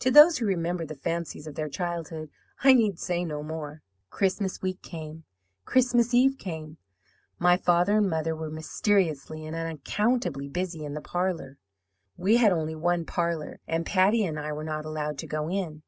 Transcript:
To those who remember the fancies of their childhood I need say no more. "Christmas week came, Christmas Eve came. My father and mother were mysteriously and unaccountably busy in the parlour (we had only one parlour), and Patty and I were not allowed to go in.